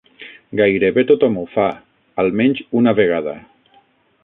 Gairebé tothom ho fa, almenys una vegada.